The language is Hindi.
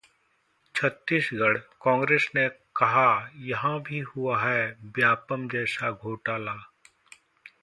छत्तीसगढ़ः कांग्रेस ने कहा- यहां भी हुआ है व्यापम जैसा घोटाला